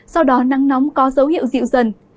sau đó nắng nóng có dấu hiệu dịu dần